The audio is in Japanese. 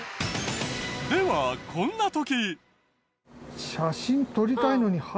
ではこんな時。